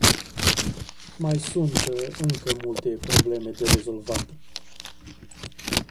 Mai sunt încă multe probleme de rezolvat.